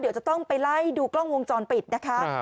เดี๋ยวจะต้องไปไล่ดูกล้องวงจรปิดนะคะ